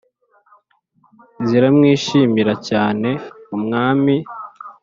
ziramwishimira cyane, umwami